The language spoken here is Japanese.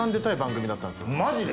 マジで？